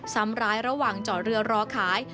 ซ้ำร้ายระหว่างจอดเรือรอขาย